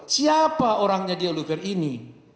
siapa orangnya di oliver ini